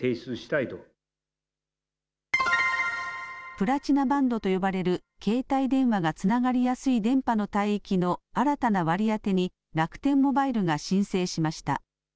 プラチナバンドと呼ばれる、携帯電話がつながりやすい電波の帯域の新たな割り当てに、楽天モバイルが申請しました。